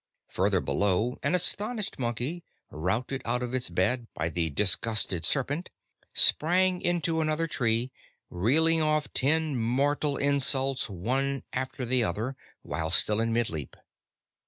Farther below, an astonished monkey, routed out of its bed by the disgusted serpent, sprang into another tree, reeling off ten mortal insults, one after the other, while still in mid leap.